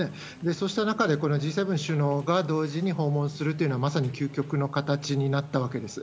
そうした中で、このＧ７首脳が同時に訪問するというのは、まさに究極の形になったわけです。